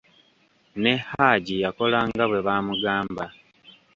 Ne Haji yakola nga bwe baamugamba.